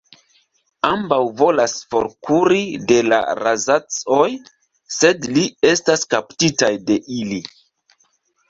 Ambaŭ volas forkuri de la Ra'zac-oj, sed ili estas kaptitaj de ili.